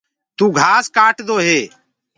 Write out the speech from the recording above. تو گھاس ڪآٽدو هي۔